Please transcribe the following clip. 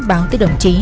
báo tới đồng chí